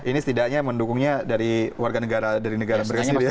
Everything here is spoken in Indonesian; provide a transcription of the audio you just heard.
ini setidaknya mendukungnya dari warga negara dari negara beristirahat